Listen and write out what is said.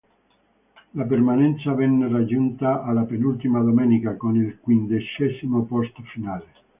La permanenza venne raggiunta alla penultima domenica, con il quindicesimo posto finale.